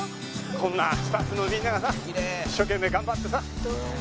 こんなスタッフのみんながさ一生懸命頑張ってさ。